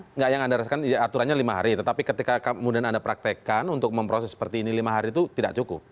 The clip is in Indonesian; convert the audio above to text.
enggak yang anda rasakan aturannya lima hari tetapi ketika kemudian anda praktekkan untuk memproses seperti ini lima hari itu tidak cukup